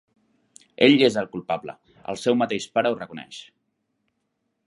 Ell és el culpable: el seu mateix pare ho reconeix!